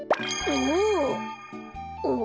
おお？